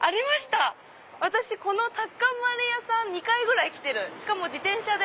私このタッカンマリ屋さん２回ぐらい来てる自転車で。